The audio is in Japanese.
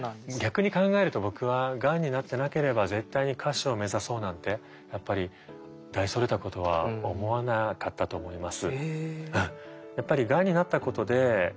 逆に考えると僕はがんになってなければ絶対に歌手を目指そうなんてやっぱり大それたことは思わなかったと思います。